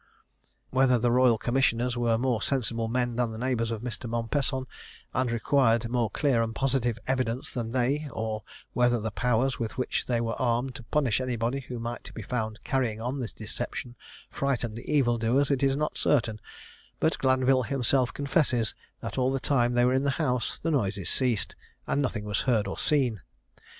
Whether the royal commissioners were more sensible men than the neighbours of Mr. Mompesson, and required more clear and positive evidence than they, or whether the powers with which they were armed to punish anybody who might be found carrying on this deception frightened the evil doers, is not certain; but Glanvil himself confesses, that all the time they were in the house the noises ceased, and nothing was heard or seen.